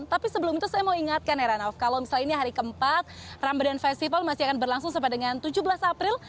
tapi sebelum itu saya mau ingatkan heranov kalau misalnya ini hari keempat ramadan festival masih akan berlangsung sampai dengan tujuh belas april